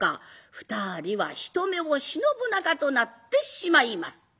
２人は人目を忍ぶ仲となってしまいます。